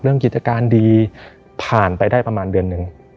กิจการดีผ่านไปได้ประมาณเดือนหนึ่ง